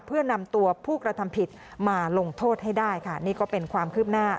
เพื่อนำตัวผู้กระทำผิดมาลงโทษให้ได้ค่ะนี่ก็เป็นความคืบหน้า